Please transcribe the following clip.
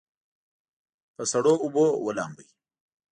په سړو اوبو ولامبئ.